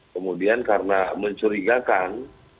kemudian karena mencurigakan